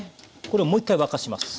これをもう１回沸かします。